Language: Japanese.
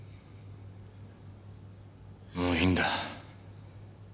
もういいんだ。